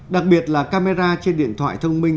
đặc biệt là camera trên điện thoại thông minh